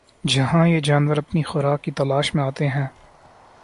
جہاں یہ جانور اپنی خوراک کی تلاش میں آتے ہیں